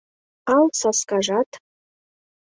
Ал саскажат